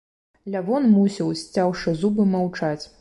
Лявон мусіў, сцяўшы зубы, маўчаць.